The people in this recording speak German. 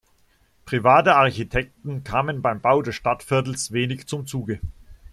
Private Architekten kamen beim Bau des Stadtviertels wenig zum Zuge.